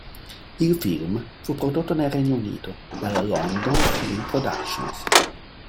Il film fu prodotto nel Regno Unito dalla London Film Productions.